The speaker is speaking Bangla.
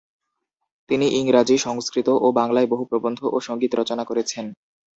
তিনি ইংরাজী, সংস্কৃত ও বাংলায় বহু প্রবন্ধ ও সঙ্গীত রচনা করেছেন।